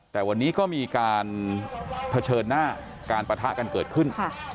แต่วันนี้ก็มีการเผชิญหน้าการปะทะกันเกิดขึ้น